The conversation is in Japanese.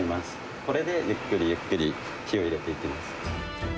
これでゆっくりゆっくり火を入れていきます。